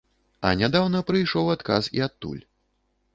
А нядаўна прыйшоў адказ і адтуль.